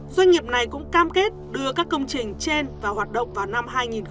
doanh nghiệp này cũng cam kết đưa các công trình trên và hoạt động vào năm hai nghìn một mươi bảy